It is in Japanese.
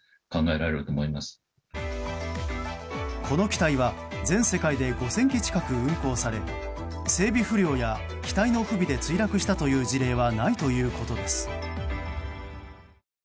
この機体は全世界で５０００機近く運航され整備不良や機体の不備で墜落したという事例はないということです。